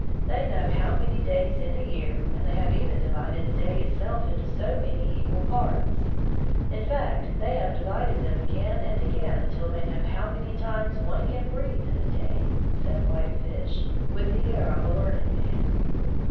They know how many days in a year, and they have even divided the day itself into so many equal parts ; in fact, they have divided them again and again until they know how many times one can breathe in a day," said White Fish, with the air of a learned man.